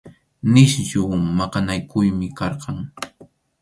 Nisyu maqanakuymi karqan.